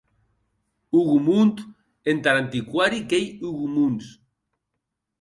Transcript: Hougomont entar antiquari qu’ei Hugomons.